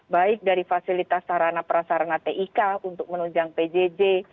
baik dari fasilitas sarana prasarana tik untuk menunjang pjj